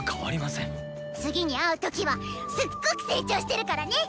次に会う時はすっごく成長してるからね！